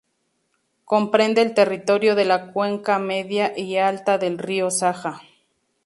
Comprende el territorio de la cuenca media y alta del río Saja.